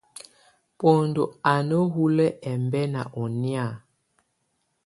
Bɔndɔ á nɔ̀ hulǝ́ ɛmbɛna ɔnɛ̀á.